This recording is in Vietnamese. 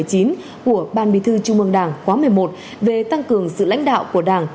của ban bí thư trung mương đảng khóa một mươi một về tăng cường sự lãnh đạo của đảng